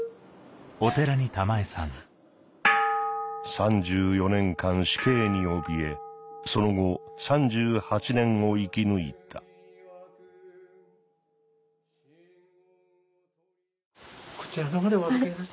・３４年間死刑におびえその後３８年を生き抜いたこちらのほうでお預かりさせて。